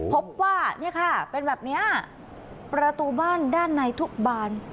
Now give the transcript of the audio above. พบว่าเนี่ยค่ะเป็นแบบนี้ประตูบ้านด้านในทุกบาน